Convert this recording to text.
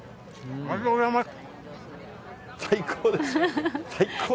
ありがとうございます。